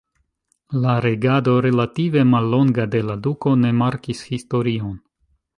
La regado relative mallonga de la duko ne markis historion.